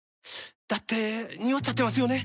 だってニオっちゃってますよね。